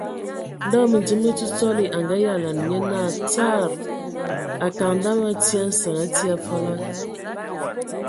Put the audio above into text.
Ndɔ Məndim me Ntsotsɔli a ngayalan nye naa : Tsaarr...ra : Akaŋ dama a tii a nsəŋ, a tii a falag !